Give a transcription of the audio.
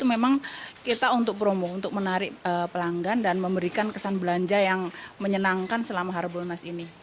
memang kita untuk promo untuk menarik pelanggan dan memberikan kesan belanja yang menyenangkan selama harbolnas ini